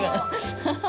ハハハ。